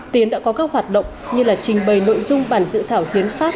tiến đã có các hoạt động như là trình bày nội dung bản dự thảo hiến pháp